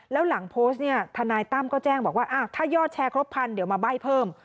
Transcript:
แล้วหลังโพสต์เนี่ยทนายตั้มก็แจ้งบอกว่าถ้ายอดแชร์ครบพันเดี๋ยวมาใบ้เพิ่ม